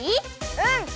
うん！